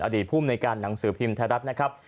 อดีตภูมิในการหนังสือพิมพ์ไทยรัฐนะครับ